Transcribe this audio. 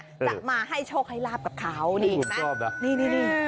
จะมาให้โชคให้ราบกับเขานะนี่นี่นี่นี่ไม่คุณชอบนะ